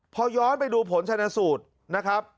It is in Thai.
พอย้อนไปดูผลชนสูตรนะครับ